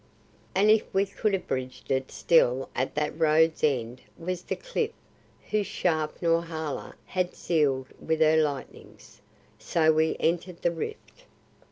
And if we could have bridged it still at that road's end was the cliff whose shaft Norhala had sealed with her lightnings. So we entered the rift.